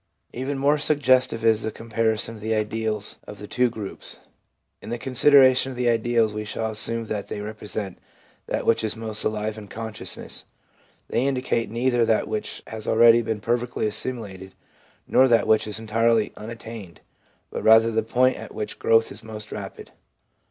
Even more suggestive is the comparison of the ideals LINE OF GROWTH FOLLOWING CONVERSION 371 of the two groups. In the consideration of the ideals we shall assume that they represent that which is most alive in consciousness. They indicate neither that which has already been perfectly assimilated, nor that which is entirely unattained, but rather the point at which growth is most rapid.